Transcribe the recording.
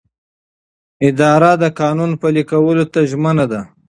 اداره د قانون پلي کولو ته ژمنه ده.